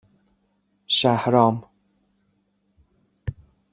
شهرام